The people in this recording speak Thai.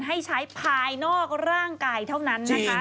ให้ใช้ภายนอกร่างกายเท่านั้นนะคะ